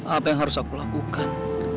apa yang harus aku lakukan